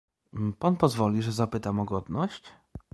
"Pan pozwoli, że zapytam o godność?"